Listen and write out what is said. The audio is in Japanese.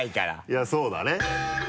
いやそうだね。